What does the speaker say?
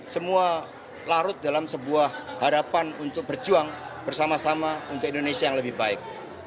semua larut dalam sebuah harapan untuk berjuang bersama sama untuk indonesia yang lebih baik